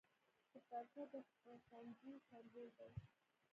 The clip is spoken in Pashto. کتابچه د ښوونځي سمبول دی